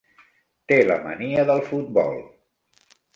Té la mania del futbol.